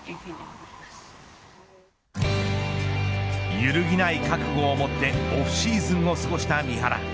揺るぎない覚悟をもってオフシーズンを過ごした三原。